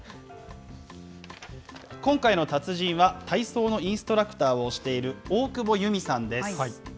今回の達人は、体操のインストラクターをしている大久保裕美さんです。